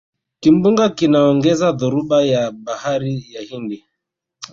kimbunga kinaongeza dhoruba ya bahari ya hindi